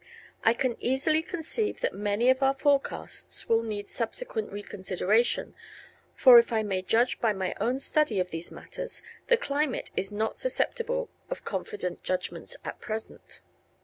I can easily conceive that many of our forecasts will need subsequent reconsideration, for if I may judge by my own study of these matters, the climate is not susceptible of confident judgments at present.